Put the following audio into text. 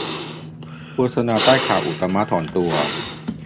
โฆษณาใต้ข่าวอุตตมถอนตัว